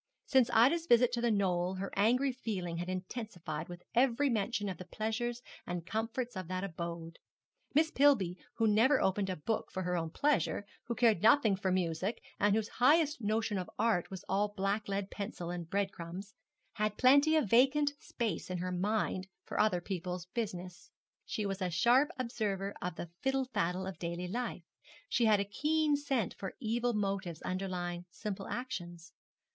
Since Ida's visit to The Knoll her angry feeling had intensified with every mention of the pleasures and comforts of that abode. Miss Pillby, who never opened a book for her own pleasure, who cared nothing for music, and whose highest notion of art was all blacklead pencil and bread crumbs, had plenty of vacant space in her mind for other people's business. She was a sharp observer of the fiddle faddle of daily life; she had a keen scent for evil motives underlying simple actions.